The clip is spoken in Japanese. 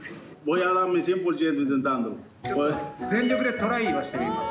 全力でトライはしてみます。